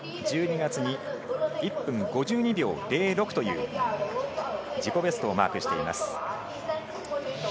１２月に１分５２秒０６という自己ベストをマークしています。